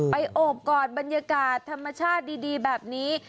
โอบกอดบรรยากาศธรรมชาติดีแบบนี้